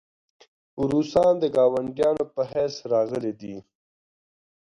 روسان د ګاونډیانو په حیث راغلي دي.